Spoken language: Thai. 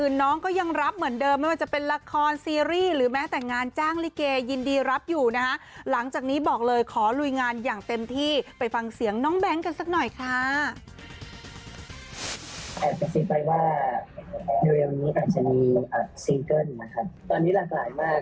โดยเรียวนี้อาจจะมีซิงเกิ้ลนะคะตอนนี้หลากหลายมาก